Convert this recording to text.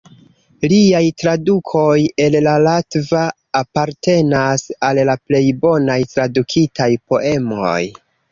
Liaj tradukoj el la latva apartenas al la plej bonaj tradukitaj poemoj.